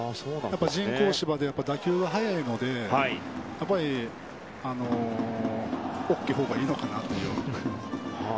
人工芝で打球が速いので大きいほうがいいのかなと。